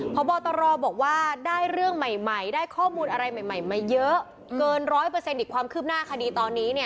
พบตรบอกว่าได้เรื่องใหม่ได้ข้อมูลอะไรใหม่ไม่เยอะเกิน๑๐๐อีกความคืบหน้าคดีตอนนี้เนี่ย